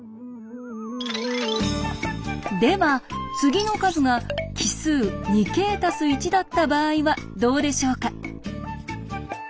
では次の数が奇数だった場合はどうでしょうか？